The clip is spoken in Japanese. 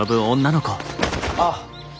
あっ。